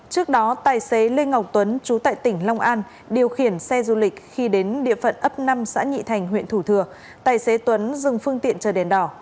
trước đó tài xế lê ngọc tuấn chú tại tỉnh long an điều khiển xe du lịch khi đến địa phận ấp năm xã nhị thành huyện thủ thừa tài xế tuấn dừng phương tiện chờ đèn đỏ